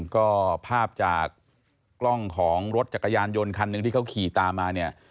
ก็ภาพจากกล้องของรถจักรยานยนต์คันหนึ่งที่เขาขี่ตามมาเนี่ย